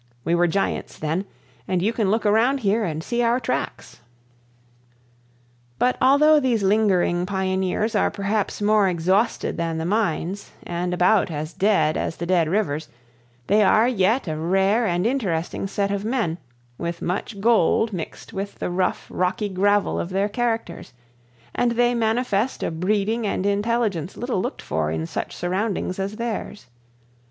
We were giants then, and you can look around here and see our tracks." But although these lingering pioneers are perhaps more exhausted than the mines, and about as dead as the dead rivers, they are yet a rare and interesting set of men, with much gold mixed with the rough, rocky gravel of their characters; and they manifest a breeding and intelligence little looked for in such surroundings as theirs.